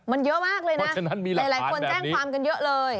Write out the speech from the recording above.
มันเยอะมากเลยนะเพราะฉะนั้นมีหลักฐานแบบนี้หลายคนแจ้งความกันเยอะเลย